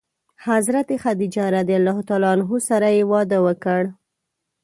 حضرت خدیجه رض سره یې واده وکړ.